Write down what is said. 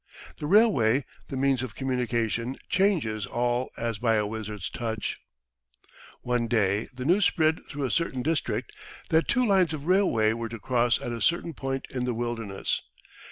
The railway, the means of communication, changes all as by a wizard's touch. One day the news spread through a certain district, that two lines of railway were to cross at a certain point in the wilderness.